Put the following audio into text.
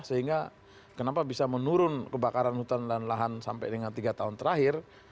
sehingga kenapa bisa menurun kebakaran hutan dan lahan sampai dengan tiga tahun terakhir